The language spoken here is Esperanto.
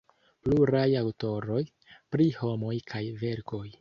Pluraj aŭtoroj, Pri homoj kaj verkoj.